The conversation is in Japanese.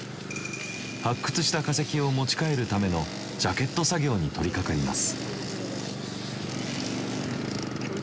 発掘した化石を持ち帰るためのジャケット作業に取りかかります。